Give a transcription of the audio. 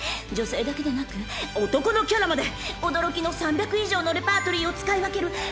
［女性だけでなく男のキャラまで驚きの３００以上のレパートリーを使い分ける